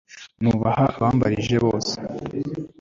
Nubaha abambanjirije bose